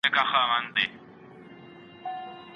ساینس پوهنځۍ سمدستي نه لغوه کیږي.